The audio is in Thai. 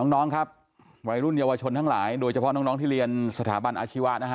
น้องครับวัยรุ่นเยาวชนทั้งหลายโดยเฉพาะน้องที่เรียนสถาบันอาชีวะนะฮะ